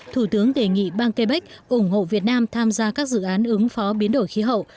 thủ tướng đề nghị bang quebec ủng hộ việt nam tham gia các dự án ứng phó biến đổi khí hậu